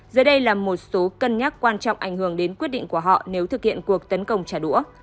giờ đây là một số cân nhắc quan trọng ảnh hưởng đến quyết định của họ nếu thực hiện cuộc tấn công trả đũa